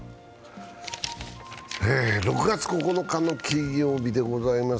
６月９日の金曜日でございます。